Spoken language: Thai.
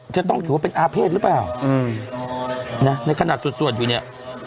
จะต้องถือว่าเป็นอาเภษหรือเปล่านะในขณะสวดอยู่เนี่ย